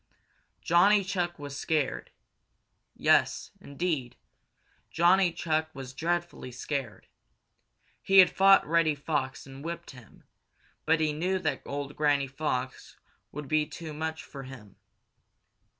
Johnny Chuck was scared. Yes, indeed, Johnny Chuck was dreadfully scared. He had fought Reddy Fox and whipped him, but he knew that old Granny Fox would be too much for him.